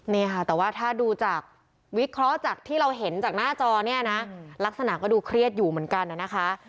นี่ค่ะแต่ว่าถ้าดูจากวิเคราะห์จากที่เราเห็นจากหน้าจอเนี่ยนะลักษณะก็ดูเครียดอยู่เหมือนกันนะคะ